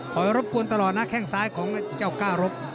รบกวนตลอดนะแข้งซ้ายของเจ้าก้ารบ